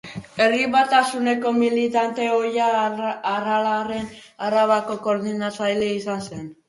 Herri Batasuneko militante ohia, Aralarren Arabako koordinatzailea izan zen.